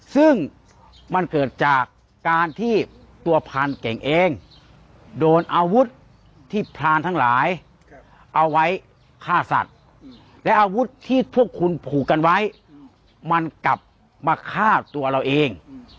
ซึ่งมันเกิดจากการที่ตัวพรานเก่งเองโดนอาวุธที่พรานทั้งหลายเอาไว้ฆ่าสัตว์และอาวุธที่พวกคุณผูกกันไว้มันกลับมาฆ่าตัวเราเอง